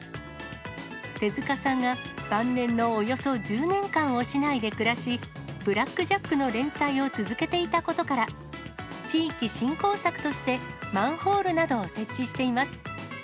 手塚さんが晩年のおよそ１０年間を市内で暮らし、ブラック・ジャックの連載を続けていたことから、地域振興策としてマンホールなどを設置しています。